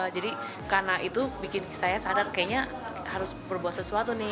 jadi karena itu bikin saya sadar kayaknya harus berbuat sesuatu nih